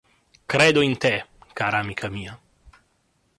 Credo in te, cara amica mia.